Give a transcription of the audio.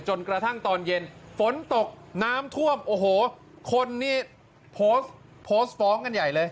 จนกระทั่งตอนเย็นฝนตกน้ำท่วมโอ้โหคนนี่โพสต์โพสต์ฟ้องกันใหญ่เลย